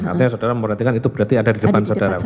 artinya saudara memperhatikan itu berarti ada di depan saudara